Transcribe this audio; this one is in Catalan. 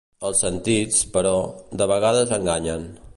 Els sentits, però, de vegades enganyen.